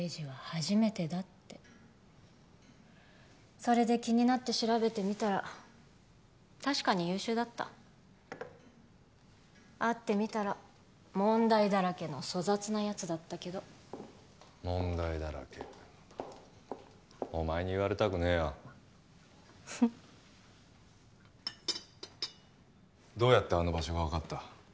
「初めてだ」ってそれで気になって調べてみたら確かに優秀だった会ってみたら問題だらけの粗雑なやつだったけど問題だらけお前に言われたくねえよふっどうやってあの場所が分かった？